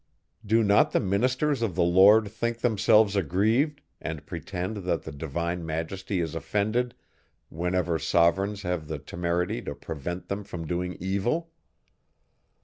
Do not the ministers of the Lord think themselves aggrieved, and pretend that the divine Majesty is offended, whenever sovereigns have the temerity to prevent them from doing evil?